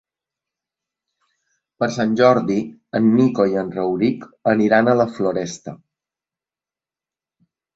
Per Sant Jordi en Nico i en Rauric aniran a la Floresta.